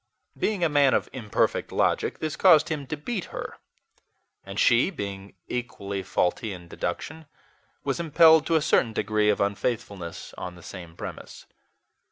Being a man of imperfect logic, this caused him to beat her; and she, being equally faulty in deduction, was impelled to a certain degree of unfaithfulness on the same premise.